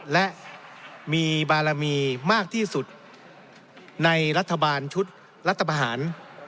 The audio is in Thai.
และมีบารมีมากที่สุดในรัฐบาลชุดรัฐประหาร